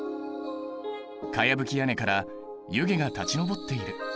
かやぶき屋根から湯気が立ち上っている。